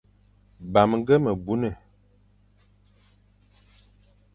Bamge me buné,